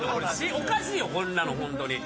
おかしいよこんなのホントに。